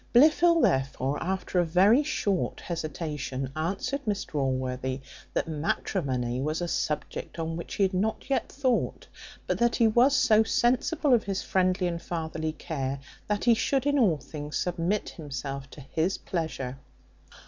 Blifil, therefore, after a very short hesitation, answered Mr Allworthy, that matrimony was a subject on which he had not yet thought; but that he was so sensible of his friendly and fatherly care, that he should in all things submit himself to his pleasure.